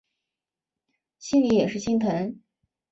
心里也是心疼